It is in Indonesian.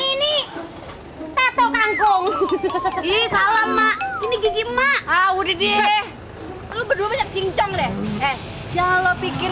ini tato kangkung ini salah mak ini gigi mak ah udah deh lu berdua cincong deh jaloh pikir